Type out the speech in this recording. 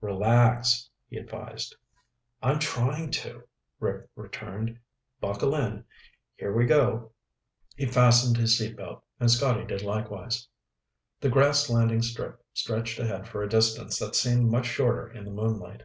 "Relax," he advised. "I'm trying to," Rick returned. "Buckle in. Here we go." He fastened his seat belt and Scotty did likewise. The grass landing strip stretched ahead for a distance that seemed much shorter in the moonlight.